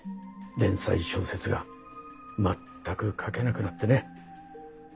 連載小説が全く書けなくなってね。